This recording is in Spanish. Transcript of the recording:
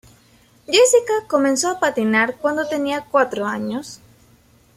Jessica comenzó a patinar cuando tenía cuatro años.